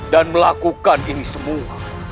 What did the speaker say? dan melakukan ini semua